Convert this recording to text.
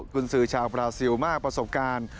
คุณซื้อชาวบราซิลมากประสบการณ์